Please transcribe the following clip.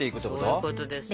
そういうことですよ。